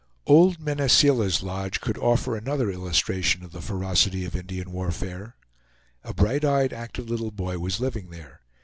Old Mene Seela's lodge could offer another illustration of the ferocity of Indian warfare. A bright eyed, active little boy was living there.